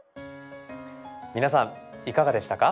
皆さんいかがでしたか？